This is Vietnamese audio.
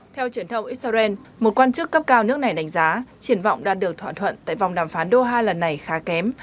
theo truyền thông israel một quan chức cấp cao nước này đánh giá triển vọng đạt được thỏa thuận tại vòng đàm phán doha lần này khá kém